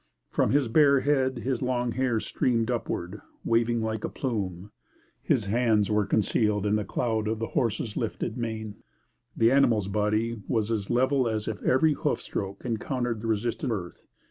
From his bare head his long hair streamed upward, waving like a plume. His hands were concealed in the cloud of the horse's lifted mane. The animal's body was as level as if every hoof stroke encountered the resistant earth.